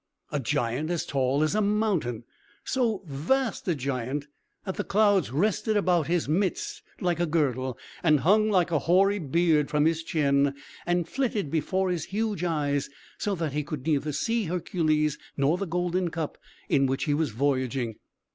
A giant as tall as a mountain; so vast a giant that the clouds rested about his midst, like a girdle, and hung like a hoary beard from his chin, and flitted before his huge eyes, so that he could neither see Hercules nor the golden cup in which he was voyaging.